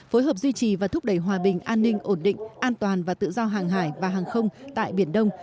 phối hợp duy trì và thúc đẩy hòa bình an ninh ổn định an toàn và tự do hàng hải và hàng không tại biển đông